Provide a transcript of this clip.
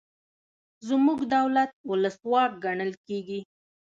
زموږ دولت ولسواک ګڼل کیږي.